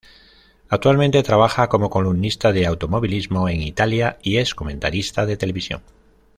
Actualmente, trabaja como columnista de automovilismo en Italia y es comentarista de televisión.